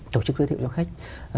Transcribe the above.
tổ chức giới thiệu cho khách